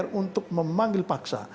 dpr untuk memanggil paksa